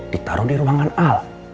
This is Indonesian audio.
ditaruh di ruangan al